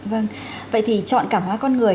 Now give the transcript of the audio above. vâng vậy thì chọn cảm hóa con người